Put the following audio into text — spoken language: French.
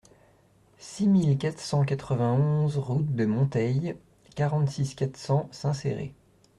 six mille quatre cent quatre-vingt-onze route de Monteil, quarante-six, quatre cents, Saint-Céré